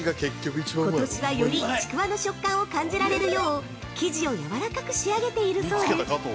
ことしは、よりちくわの食感を感じられるよう生地をやわらかく仕上げているそうです！